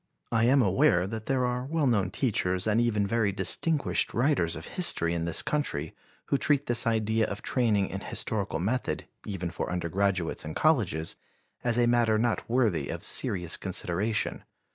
I am aware that there are well known teachers and even very distinguished writers of history in this country who treat this idea of training in historical method, even for undergraduates in colleges, as a matter not worthy of serious consideration.